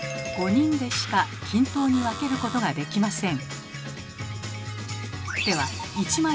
３人でしか均等に分けることができません。